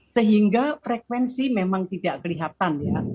sehingga frekuensi memang tidak kelihatan ya